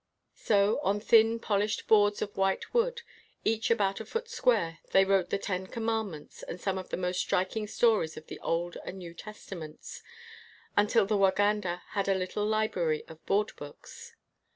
So, on thin polished boards of white wood, each about a foot square, they wrote the Ten Commandments and some of the most striking stories of the Old and New Testa ments; until the Waganda had a little li brary of board books.